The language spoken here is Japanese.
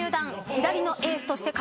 左のエースとして活躍。